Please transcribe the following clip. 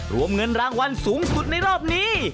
รวมเงินรางวัลสูงสุดในรอบนี้